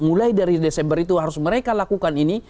mulai dari desember itu harus mereka lakukan ini